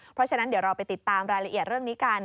เพราะฉะนั้นเดี๋ยวเราไปติดตามรายละเอียดเรื่องนี้กัน